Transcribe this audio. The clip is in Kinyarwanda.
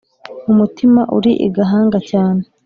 umutima uri i gahanga cyane